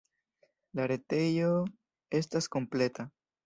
La retejo estas kompleta.